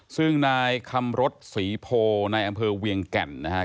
ซึ่งนายคำรถศรีโพในอำเภอเวียงแก่นนะครับ